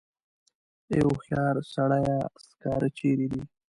ای هوښیار سړیه سکاره چېرې دي.